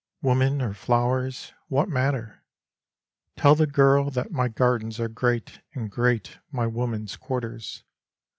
Women or flowers, what matter ? Tell the girl That my gardens are great and great my women^s quarters.